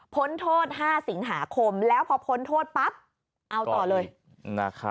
ผลโทษ๕สิงหาคมแล้วพอผลโทษปั๊บเอาต่อเลยนะครับ